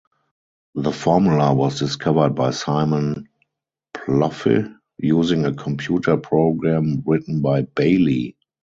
The formula was discovered by Simon Plouffe using a computer program written by Bailey.